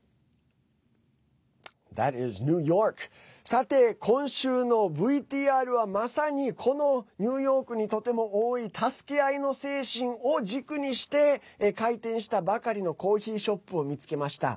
さて、今週のＶＴＲはまさに、このニューヨークにとても多い助け合いの精神を軸にして開店したばかりのコーヒーショップを見つけました。